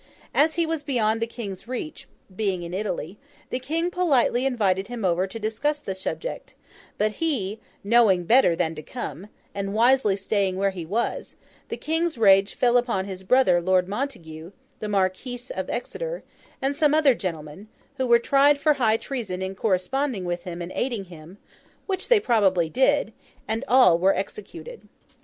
As he was beyond the King's reach—being in Italy—the King politely invited him over to discuss the subject; but he, knowing better than to come, and wisely staying where he was, the King's rage fell upon his brother Lord Montague, the Marquis of Exeter, and some other gentlemen: who were tried for high treason in corresponding with him and aiding him—which they probably did—and were all executed.